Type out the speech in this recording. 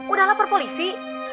udah lapar polisi